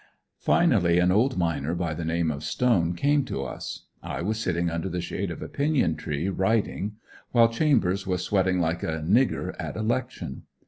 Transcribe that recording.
Finally an old miner by the name of Stone came to us. I was sitting under the shade of a pinyon tree writing, while Chambers was sweating like a "Nigger at election."